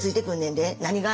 「何が？」